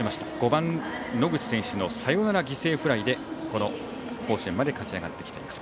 ５番、野口選手のサヨナラ犠牲フライでこの甲子園まで勝ち上がってきています。